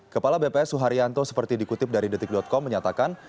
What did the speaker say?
kepala bps suharyanto seperti dikutip dari detik com menyatakan